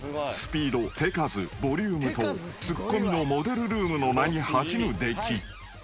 ［スピード手数ボリュームとツッコミのモデルルームの名に恥じぬ出来］